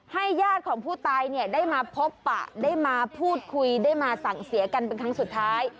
ญาติของผู้ตายเนี่ยได้มาพบปะได้มาพูดคุยได้มาสั่งเสียกันเป็นครั้งสุดท้าย